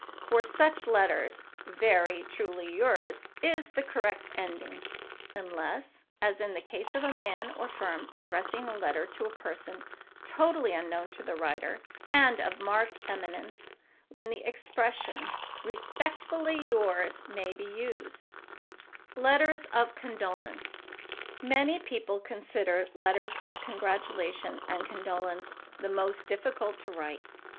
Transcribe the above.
For such letters "Very truly yours" is the correct ending, unless, as in the case of a man or firm addressing a letter to a person totally unknown to the writer, and of marked eminence, when the expression "Respectfully yours" may be used. [Sidenote: LETTERS OF CONDOLENCE] Many people consider letters of congratulation and condolence the most difficult to write.